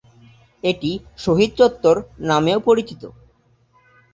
এটি "শহীদ চত্বর" নামেও পরিচিত।